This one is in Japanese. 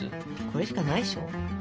これしかないでしょ。